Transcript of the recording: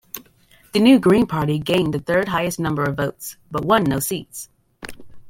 The new Green Party gained the third-highest number of votes, but won no seats.